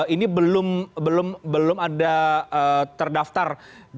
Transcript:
ini belum ada terdaftar